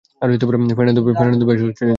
Fernando বেশ উচ্ছ্বসিত!